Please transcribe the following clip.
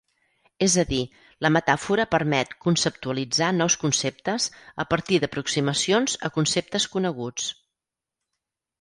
És a dir, la metàfora permet conceptualitzar nous conceptes a partir d'aproximacions a conceptes coneguts.